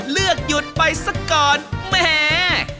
เลือกหยุดไปสักก่อนมันงี้